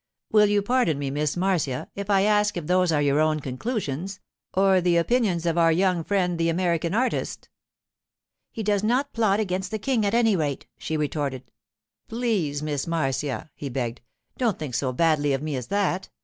'Will you pardon me, Miss Marcia, if I ask if those are your own conclusions, or the opinions of our young friend the American artist?' 'He does not plot against the King, at any rate!' she retorted. 'Please, Miss Marcia,' he begged, 'don't think so badly of me as that.